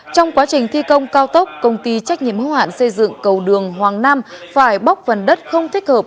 trong quá trình thi công cao tốc công ty trách nhiệm hữu hạn xây dựng cầu đường hoàng nam phải bóc phần đất không thích hợp